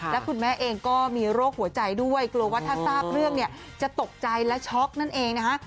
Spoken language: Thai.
แล้วคุณแม่เองก็มีโรคหัวใจด้วยกลัวว่าถ้าทราบเรื่องเนี่ยจะตกใจและช็อกนั่นเองนะฮะ